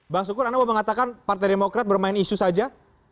bang sukur anda mau mengatakan partai demokrat bermain isu saja